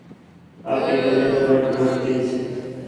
آپݨی پلیٹ گڈھ وٹھتیس